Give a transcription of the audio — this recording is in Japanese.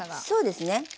そうですね。